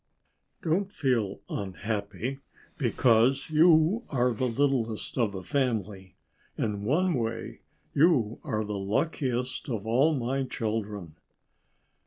"Don't feel unhappy because you are the littlest of the family. In one way you are the luckiest of all my children."